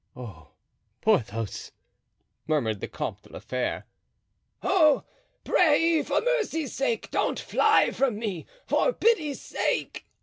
"Oh! Porthos!" murmured the Comte de la Fere. "Oh, pray, for mercy's sake, don't fly from me. For pity's sake!"